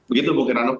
begitu bung kirano